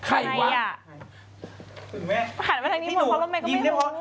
อะไรน่ะ